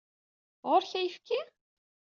Ɣur-k ayefki?